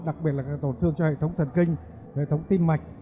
đặc biệt là các tổn thương cho hệ thống thần kinh hệ thống tim mạch